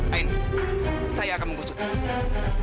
aini saya akan mengusutnya